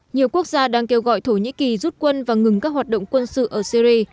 nhiều quốc gia đang kêu gọi thổ nhĩ kỳ rút quân và ngừng các hoạt động quân sự ở syri